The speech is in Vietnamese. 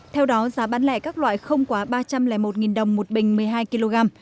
theo đó giá bán lẻ các loại không quá ba trăm linh một đồng một bình một mươi hai kg